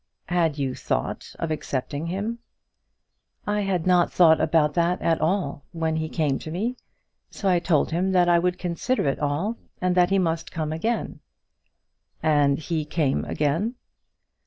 "Had you thought of accepting him?" "I had not thought about that at all, when he came to me. So I told him that I would consider it all, and that he must come again." "And he came again."